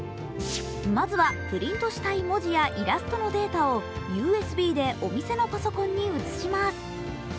まずはプリントしたい文字やイラストのデータをＵＳＢでお店のパソコンに移します。